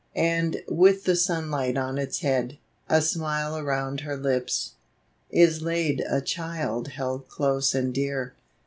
And with the sunlight on its head, A smile around her lips, is laid A child held close and dear.